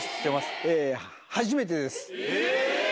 え！